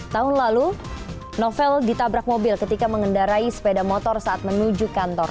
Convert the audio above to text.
tahun lalu novel ditabrak mobil ketika mengendarai sepeda motor saat menuju kantor